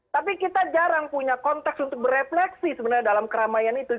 tapi kita jarang punya konteks untuk berefleksi sebenarnya dalam keramaian itu